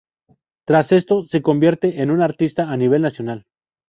Tras esto, se convierte en un artista a nivel nacional.